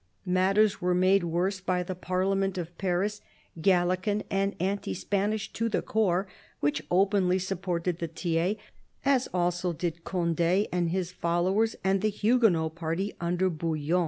Matters were made worse by Ithe Parliament of Paris, Gallican and anti Spanish to the core, which openly supported the Tiers, as also did Conde and his followers and the Huguenot party under Bouillon.